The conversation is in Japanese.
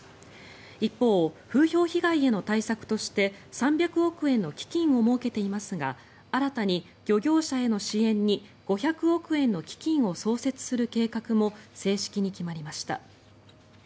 一方、風評被害への対策として３００億円の基金を設けていますが新たに漁業者への支援に５００億円の基金を創設する計画も正式に決まりました。